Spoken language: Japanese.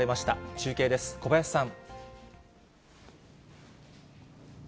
中継です、小林さん。